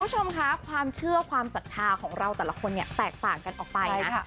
คุณผู้ชมคะความเชื่อความศรัทธาของเราแต่ละคนเนี่ยแตกต่างกันออกไปนะ